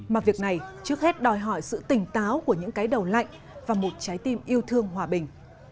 mà việc này trước hết đòi hỏi sự tỉnh táo của những cái đầu lạnh và một trái tim yêu thương hòa bình